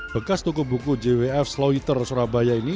bekas toko buku jwf slow eater surabaya ini